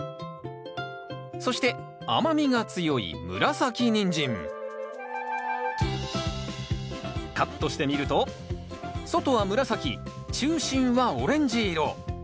そして甘みが強いカットしてみると外は紫中心はオレンジ色。